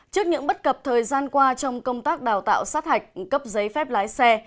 trước những bất cập thời gian qua trong công tác đào tạo sát hạch cấp giấy phép lái xe